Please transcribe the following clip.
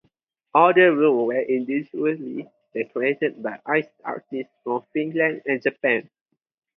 All the rooms were individually decorated by ice artists from Finland and Japan.